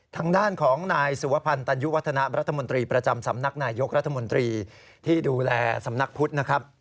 ทางด้านของนายสุวพันธ์ตันยุวัฒนะรัฐมนตรีประจำสำนักนายยกรัฐมนตรีที่ดูแลสำนักพุทธนะครับ